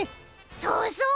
そうそう！